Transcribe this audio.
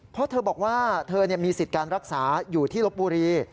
เพราะเธอบอกว่าเธอมีสิทธิ์การรักษาอยู่ที่ลบบุรี